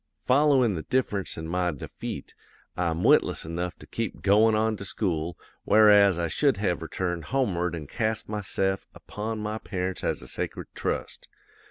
"'Followin' the difference an' my defeat, I'm witless enough to keep goin' on to school, whereas I should have returned homeward an' cast myse'f upon my parents as a sacred trust.